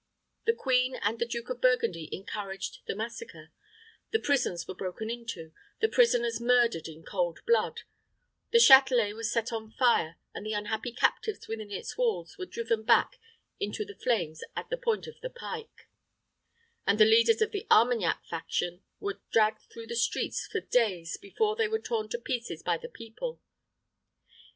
The queen and the Duke of Burgundy encouraged the massacre; the prisons were broken into, the prisoners murdered in cold blood; the Châtelet was set on fire, and the unhappy captives within its walls were driven back into the flames at the point of the pike; and the leaders of the Armagnac faction were dragged through the streets for days before they were torn to pieces by the people.